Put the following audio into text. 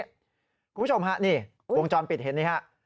คุณผู้ชมฮะนี่วงจรปิดเห็นนี่ฮะ